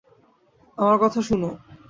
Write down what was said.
আমার কথা শুনো।